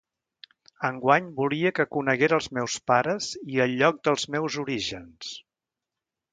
Enguany volia que coneguera els meus pares i el lloc dels meus orígens.